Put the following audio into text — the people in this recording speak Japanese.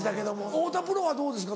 太田プロはどうですか？